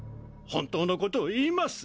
本当のことを言います。